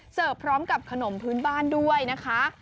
พร้อมกับขนมพื้นบ้านด้วยนะคะ